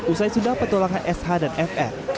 usai sudah petulangan sh dan fr